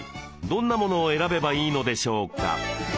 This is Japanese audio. どんなものを選べばいいのでしょうか？